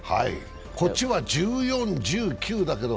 こっちは１４、１９だけど。